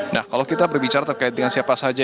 nah kalau kita berbicara terkait dengan siapa saja